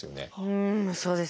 うんそうですね。